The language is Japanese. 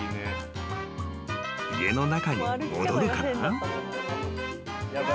［家の中に戻るかな？］